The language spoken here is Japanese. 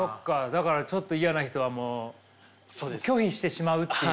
だからちょっと嫌な人はもう拒否してしまうっていう。